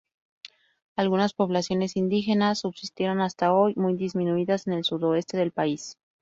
Algunas poblaciones indígenas subsistieron hasta hoy, muy disminuidas, en el sudoeste del país.